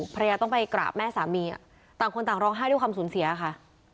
ภรรยาต้องไปกราบแม่สามีต่างคนต่างร้องไห้ด้วยความสูญเสียค่ะ